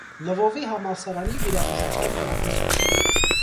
Լվովի համալսարանի վիրաբուժության պրոֆեսոր։